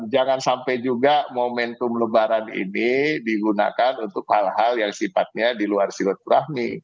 jangan sampai juga momentum lebaran ini digunakan untuk hal hal yang sifatnya di luar silaturahmi